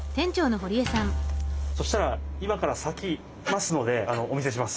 そしたら今からさきますのでお見せします。